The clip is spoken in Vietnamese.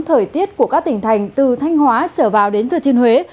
thời tiết của các tỉnh thành từ thanh hóa trở vào đến thừa thiên huế